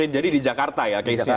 jadi di jakarta ya casenya ya